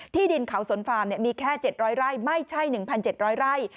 ดินเขาสนฟาร์มมีแค่๗๐๐ไร่ไม่ใช่๑๗๐๐ไร่